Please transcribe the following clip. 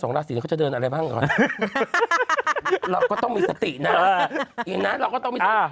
ราศีเขาจะเดินอะไรบ้างก่อนเราก็ต้องมีสตินะเองนะเราก็ต้องมีสติ